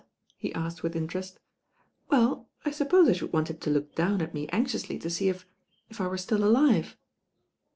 he asked with interest. Well, I suppose I should want him to look down at me anxiously to see if— if I were stiU alive."